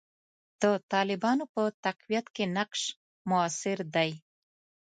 د طالبانو په تقویت کې نقش موثر دی.